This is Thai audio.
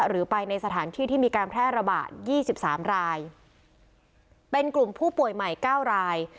หรือไปในสถานที่ที่มีการแพร่ระบาด๒๓รายเป็นกลุ่มผู้ป่วยใหม่๙ราย